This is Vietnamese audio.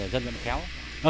dân vận khéo